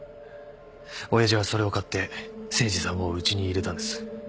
親父はそれを買って誠司さんをうちに入れたんです。